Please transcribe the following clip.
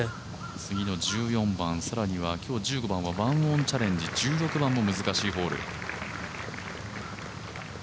次の１４番、そして今日１５番はワンオンチャレンジ１６番も難しいホール。